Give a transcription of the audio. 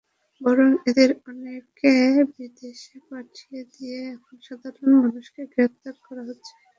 বরং এদের অনেককে বিদেশে পাঠিয়ে দিয়ে এখন সাধারণ মানুষকে গ্রেপ্তার করা হচ্ছে।